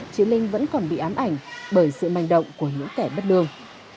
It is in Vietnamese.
chị linh vẫn còn bị ám ảnh bởi sự manh động của những kẻ bất đường